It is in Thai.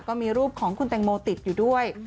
ก็มีรูปของคุณแตงโมติดอยู่ด้วย